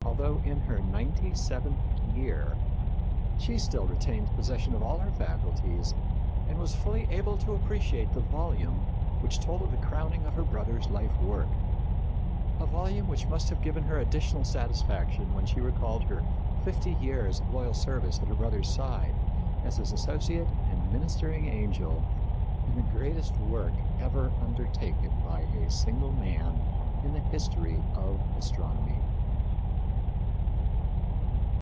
Although in her ninety seventh year, she still retained possession of all her faculties and was fully able to appreciate the volume which told of the crowning of her brother's life work a volume which must have given her additional satisfaction when she recalled her fifty years of loyal service at her brother's side as his associate and ministering angel in the greatest work ever undertaken by a single man in the history of astronomy.